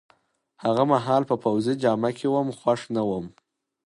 هغه مهال په پوځي جامه کي وم، خوښ نه وم.